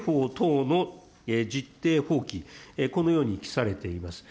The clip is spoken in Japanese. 刑法等の実定法規、このように記されています。